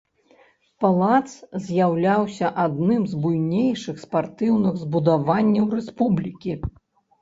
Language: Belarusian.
Палац з'яўляўся адным з буйнейшых спартыўных збудаванняў рэспублікі.